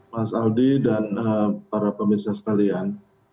mas aldi dan para pemirsa sekalian